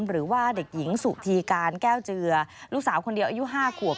หรือว่าเด็กหญิงสุธีการแก้วเจือลูกสาวคนเดียวอายุ๕ขวบ